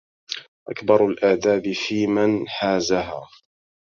أكبر الآداب فيمن حازها